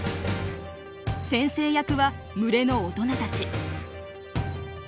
先生役は群れの大人たち。